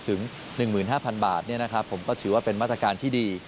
ถึง๑๕๐๐๐บาทผมก็ถือว่าเป็นมาตรการที่ดี